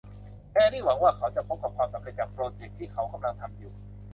แฮรรี่หวังว่าเขาจะพบกับความสำเร็จจากโปรเจคที่เขากำลังทำอยู่